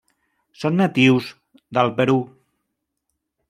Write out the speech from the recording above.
Són natius del Perú.